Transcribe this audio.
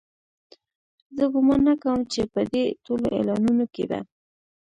زه ګومان نه کوم چې په دې ټولو اعلانونو کې به.